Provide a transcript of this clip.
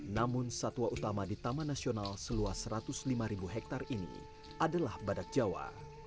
namun satwa utama di taman nasional seluas satu ratus lima hektare ini adalah badak jawa